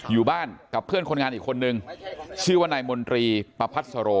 อยู่บ้านกับเพื่อนคนงานอีกคนนึงชื่อว่านายมนตรีประพัสโร